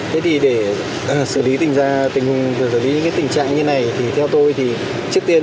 thế thì để xử lý tình trạng như này thì theo tôi thì trước tiên